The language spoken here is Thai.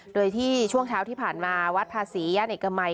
โดยที่ช่วงเช้าที่ผ่านมาวัดภาษีย่านเอกมัย